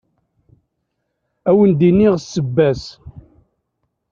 Ad wen-d-iniɣ ssebba-s.